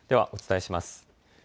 ではお伝えします。